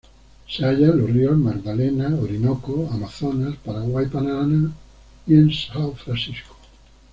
Se halla en los ríos Magdalena, Orinoco, Amazonas, Paraguay-Paraná, y en Sao Francisco.